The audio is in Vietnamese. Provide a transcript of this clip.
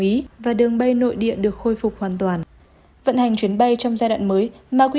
lý và đường bay nội địa được khôi phục hoàn toàn vận hành chuyến bay trong giai đoạn mới ma quy